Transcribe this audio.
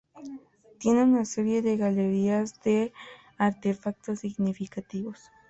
Tiene una serie de galerías de artefactos significativos.